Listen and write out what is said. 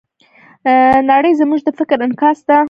نړۍ زموږ د فکر انعکاس ده.